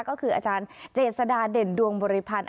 ก็คืออาจารย์เจดสาดาเด่นดวงมุวอีพันธ์